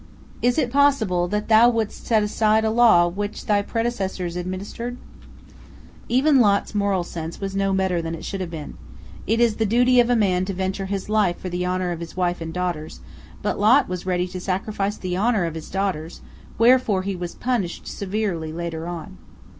Is it possible that thou wouldst set aside a law which thy predecessors administered?" Even Lot's moral sense was no better than it should have been. It is the duty of a man to venture his life for the honor of his wife and his daughters, but Lot was ready to sacrifice the honor of his daughters, wherefor he was punished severely later on.